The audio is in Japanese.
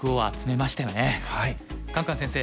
カンカン先生